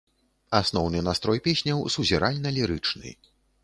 Асноўны настрой песняў сузіральна-лірычны.